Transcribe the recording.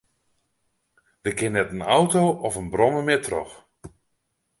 Der kin net in auto of in brommer mear troch.